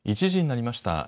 １時になりました。